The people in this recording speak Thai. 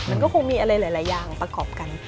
มันก็คงมีอะไรหลายอย่างประกอบกัน